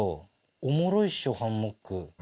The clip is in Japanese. おもろいっしょハンモック。